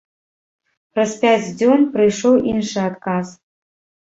Праз пяць дзён прыйшоў іншы адказ.